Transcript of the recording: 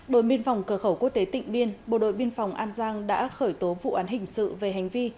đội biên phòng cửa khẩu quốc tế tịnh biên bộ đội biên phòng an giang đã khởi tố vụ án hình sự về hành vi